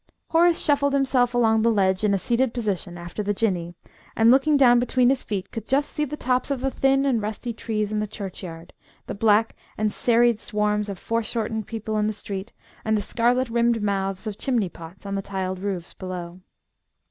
Horace shuffled himself along the ledge in a seated position after the Jinnee, and, looking down between his feet, could just see the tops of the thin and rusty trees in the churchyard, the black and serried swarms of foreshortened people in the street, and the scarlet rimmed mouths of chimney pots on the tiled roofs below.